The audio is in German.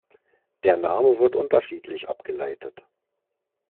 Der Name wird unterschiedlich abgeleitet.